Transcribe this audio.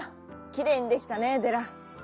きれいにできたねデラ。